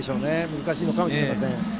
難しいのかもしれません。